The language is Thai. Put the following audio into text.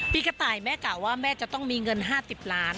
กระต่ายแม่กล่าวว่าแม่จะต้องมีเงิน๕๐ล้าน